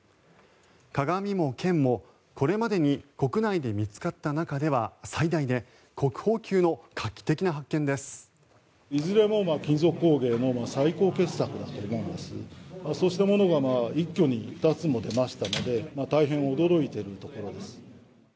鏡も剣も、これまでに国内で見つかった中では最大で国宝級の画期的な発見です。